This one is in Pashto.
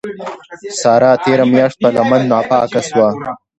سارا تېره مياشت په لمن ناپاکه سوه.